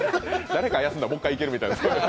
誰か休んだらもう一回行けるみたいな。